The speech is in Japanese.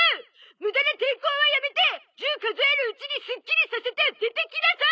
「ムダなテーコーはやめて１０数えるうちにスッキリさせて出てきなさい！」